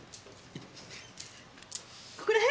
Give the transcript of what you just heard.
ここら辺？